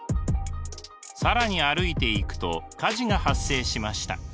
更に歩いていくと火事が発生しました。